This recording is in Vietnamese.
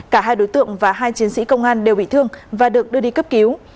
cả hai đối tượng và hai chiến sĩ công an đều bị thương và được đưa đi cấp cứu